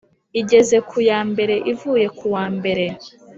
igeze kuyambere ivuye kuwambere,